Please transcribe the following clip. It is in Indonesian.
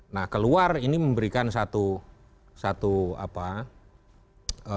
nah keluar ini memberikan satu garis poinnya